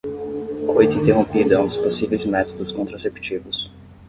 Coito interrompido é um dos possíveis métodos contraceptivos